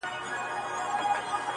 دلته اوسم.